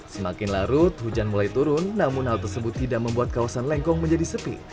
semakin larut hujan mulai turun namun hal tersebut tidak membuat kawasan lengkong menjadi sepi